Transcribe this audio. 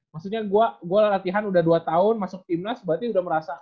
maksudnya gue latihan udah dua tahun masuk timnas berarti udah merasa